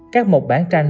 các mộc bản tranh